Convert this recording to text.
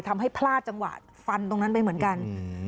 ทำให้พลาดจังหวะฟันตรงนั้นไปเหมือนกัน